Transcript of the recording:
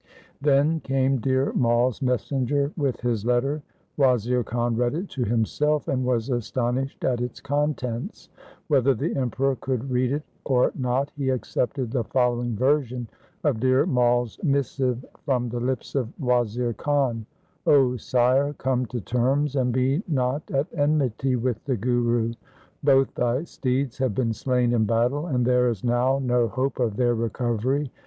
Then came Dhir Mai's messenger with his letter. Wazir Khan read it to himself and was astonished at its contents. Whether the Emperor could read it 216 THE SIKH RELIGION or not he accepted the following version of Dhir Mai's missive from the lips of Wazir Khan :' O Sire, come to terms and be not at enmity with the Guru. Both thy steeds have been slain in battle, and there is now no hope of their recovery.